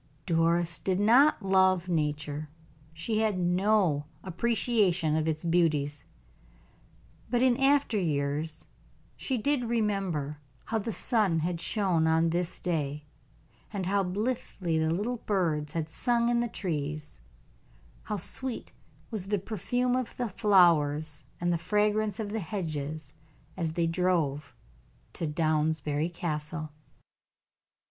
Doris did not love nature. She had no appreciation of its beauties; but in after years she did remember how the sun had shone on this day, and how blithely the little birds had sung in the trees; how sweet was the perfume of the flowers and the fragrance of the hedges as they drove to Downsbury Castle.